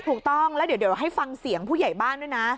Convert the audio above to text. ถูกต้องแล้วเดี๋ยวให้ฟังเสียงผู้ใหญ่บ้านด้วยนะ